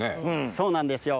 そうなんですよ。